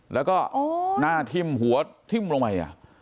แล้วก็หน้าทิ่มหัวทิ้มลงไป